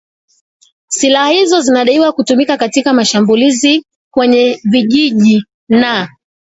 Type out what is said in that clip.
Silaha hizo zinadaiwa zilitumika katika mashambulizi kwenye vijiji na